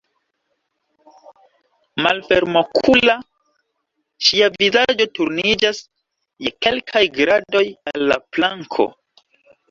Malfermokula, ŝia vizaĝo turniĝas je kelkaj gradoj al la planko.